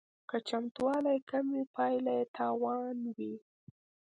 که چمتووالی کم وي پایله یې تاوان وي